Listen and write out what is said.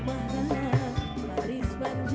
mengimpor peribadi tdzy